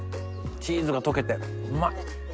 チーズが溶けてうまい。